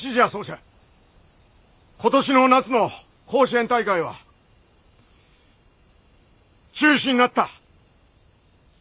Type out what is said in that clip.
今年の夏の甲子園大会は中止になった。